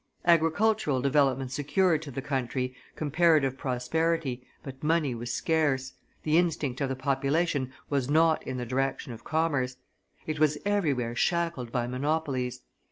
Agricultural development secured to the country comparative prosperity, but money was scarce, the instinct of the population was not in the direction of commerce; it was everywhere shackled by monopolies.